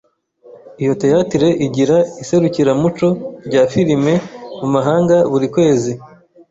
Iyo teatre igira iserukiramuco rya firime mumahanga buri kwezi.